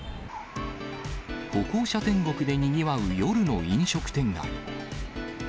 歩行者天国でにぎわう夜の飲食店街。